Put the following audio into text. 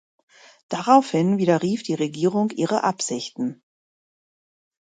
Daraufhin widerrief die Regierung ihre Absichten.